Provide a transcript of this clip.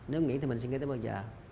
nếu nghỉ thì mình suy nghĩ tới bao giờ